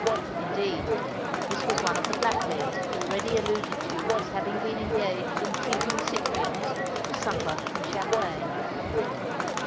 Indeed, this was one of the black legs already alluded to as having been engaged in treating Cyprians to supper and champagne.